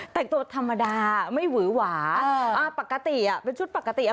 แต่งตัวธรรมดาไม่หวือหวาอ่าอ่าปกติอ่ะเป็นชุดปกติอ่ะ